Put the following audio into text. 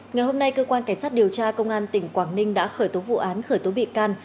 ngày hôm nay cơ quan cảnh sát điều tra công an tỉnh quảng ninh đã khởi tố vụ án khởi tố bị can